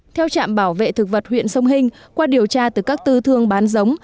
theo trạm bảo vệ thực vật huyện sông hình qua điều tra từ các tư thương bán giống